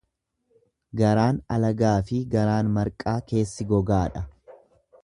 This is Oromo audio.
Garaan alagaafi garaan marqaa keessi gogaadha.